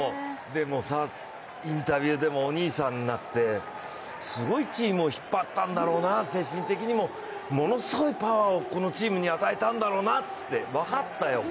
でもさ、インタビューでもお兄さんになって、すごいチームを引っ張ったんだろうな、精神的にもものすごいパワーをこのチームに与えたんだろうなって分かったよ。